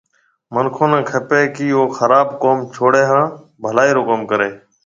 مِنکون نَي کپيَ ڪيَ او خراب ڪوم ڇوڙيَ هانَ ڀلائِي رو ڪوم ريَ۔